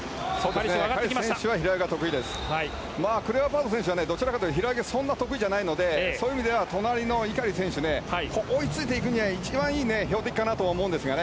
クレアバート選手はどちらかというと平泳ぎはそんなに得意じゃないのでそういう意味では隣の井狩選手ね追いついていくには一番いい標的かなと思うんですがね。